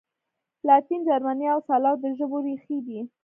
لاتین، جرمني او سلاو د ژبو ریښې دي.